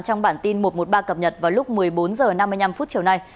trong bản tin một trăm một mươi ba cập nhật vào lúc một mươi bốn h năm mươi năm chiều nay